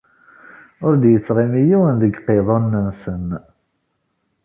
Ur d-ittɣimi yiwen deg yiqiḍunen-nsen.